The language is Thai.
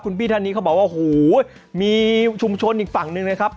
คุณพี่ท่านนี้เขาบอกว่าโอ้โหมีชุมชนอีกฝั่งหนึ่งนะครับ